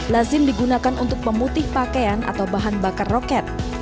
lazim digunakan untuk pemutih pakaian atau bahan bakar roket